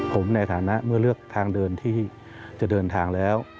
ผมในฐานะเมื่อเลือกทางเดินที่จะเดินทางแล้ว